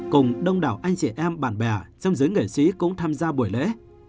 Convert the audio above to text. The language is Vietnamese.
cùng đông đảo anh chị em bạn bè trong giới nghệ sĩ cũng tham gia buổi lễ